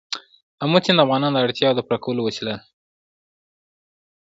آمو سیند د افغانانو د اړتیاوو د پوره کولو وسیله ده.